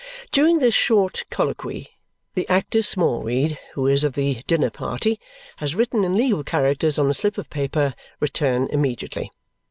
During this short colloquy, the active Smallweed, who is of the dinner party, has written in legal characters on a slip of paper, "Return immediately."